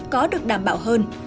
có được đảm bảo hơn